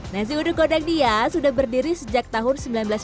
nasi uduk gondandia sudah berdiri sejak tahun seribu sembilan ratus sembilan puluh tiga